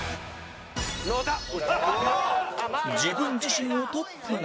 自分自身をトップに